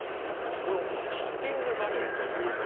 このシッティングバレーというもの